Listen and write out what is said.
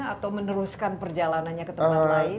atau meneruskan perjalanannya ke tempat lain